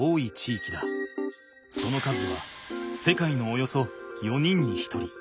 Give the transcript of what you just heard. その数は世界のおよそ４人に１人。